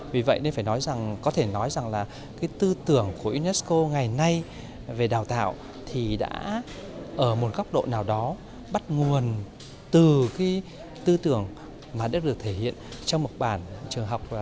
vì vậy nên phải nói rằng có thể nói rằng là cái tư tưởng của unesco ngày nay về đào tạo thì đã ở một góc độ nào đó bắt nguồn từ cái tư tưởng mà đã được thể hiện trong một bản trường học